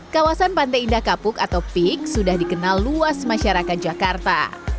kawasan pantai indah kapuk atau pik sudah dikenal luas masyarakat jakarta